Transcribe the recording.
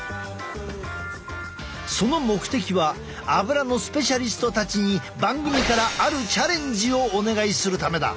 その目的はアブラのスペシャリストたちに番組からあるチャレンジをお願いするためだ。